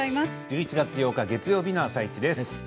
１１月８日月曜日の「あさイチ」です。